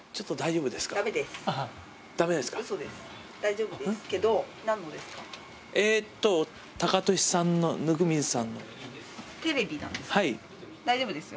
大丈夫ですよ。